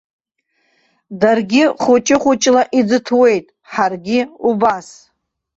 Даргьы хәыҷы-хәыҷла иӡыҭуеит, ҳаргьы убас.